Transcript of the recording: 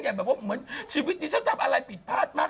อย่างว่าชีวิตนี้ฉันทำอะไรปิดพลาดมาก